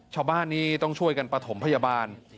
ชาวบ้านนี้ต้องช่วยกันประถมพยาบาล